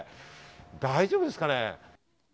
大丈夫ですかね？